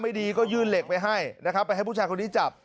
ไม่ดีก็ยื่นเหล็กไปให้นะครับไปให้ผู้ชายคนนี้จับ